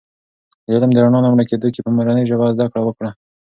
د علم د رڼا نه مړکېږو که په مورنۍ ژبه زده کړه وکړو.